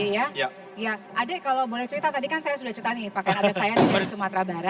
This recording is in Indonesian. ya adek kalau boleh cerita tadi kan saya sudah cerita nih pakaian adek saya di sumatera barat